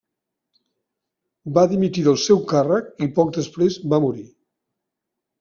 Va dimitir del seu càrrec i poc després va morir.